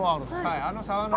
あの沢の。